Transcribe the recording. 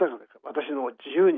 私の自由に。